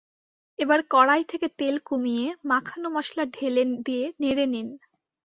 এবার কড়াই থেকে তেল কমিয়ে মাখানো মসলা ঢেলে দিয়ে নেড়ে নিন।